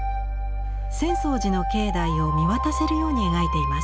浅草寺の境内を見渡せるように描いています。